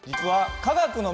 科学の目？